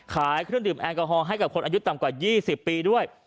ขายเครื่องดื่มแอลกอฮอลให้กับคนอายุต่ำกว่า๒๐ปีด้วย